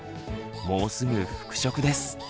もうすぐ復職です。